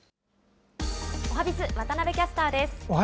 おはＢｉｚ、渡部キャスターです。